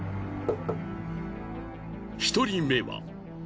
１人目は。